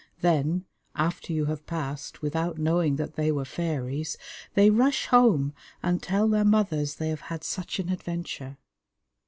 Then, after you have passed without knowing that they were fairies, they rush home and tell their mothers they have had such an adventure.